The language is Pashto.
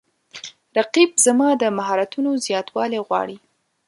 رقیب زما د مهارتونو زیاتوالی غواړي